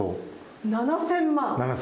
７，０００万。